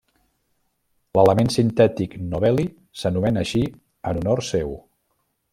L'element sintètic Nobeli s'anomena així en honor seu.